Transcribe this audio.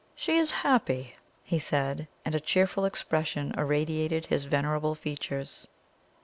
"She is happy!" he said; and a cheerful expression irradiated his venerable features.